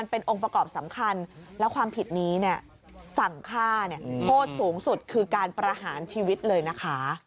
เป็นองค์ประกอบสำคัญแล้วความผิดนี้สั่งฆ่าโทษสูงสุดคือการประหารชีวิตเลยนะคะ